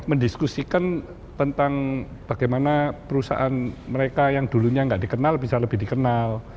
mendiskusikan tentang bagaimana perusahaan mereka yang dulunya nggak dikenal bisa lebih dikenal